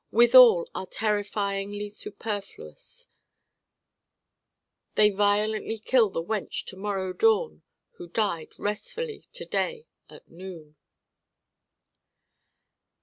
Withal are terrifyingly superfluous: they violently kill the wench to morrow dawn who died restfully to day at noon.